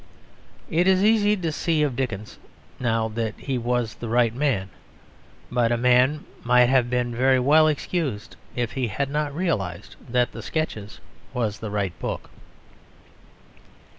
It is easy to see of Dickens now that he was the right man; but a man might have been very well excused if he had not realised that the Sketches was the right book.